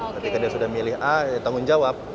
ketika dia sudah milih a ya tanggung jawab